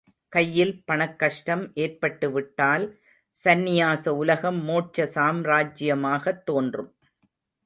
கையில் பணக்கஷ்டம் ஏற்பட்டு விட்டால், சந்நியாச உலகம் மோட்ச சாம்ராஜ்யமாகத் தோன்றும்.